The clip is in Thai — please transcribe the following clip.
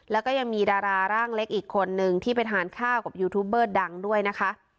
แล้วก็ยังมีดาราร่างเล็กอีกคนนึงที่ไปทานข้าวกับยูทูบเบอร์ดังด้วยนะคะ